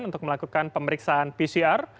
untuk melakukan pemeriksaan pcr